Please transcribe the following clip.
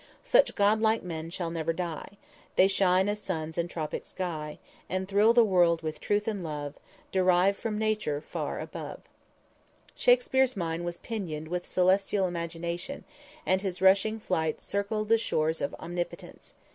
_Such god like men shall never die; They shine as suns in tropic sky, And thrill the world with truth and love Derived from nature far above._ Shakspere's mind was pinioned with celestial imagination, and his rushing flight circled the shores of omnipotence.